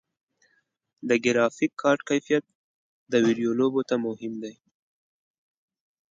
د ګرافیک کارت کیفیت د ویډیو لوبو ته مهم دی.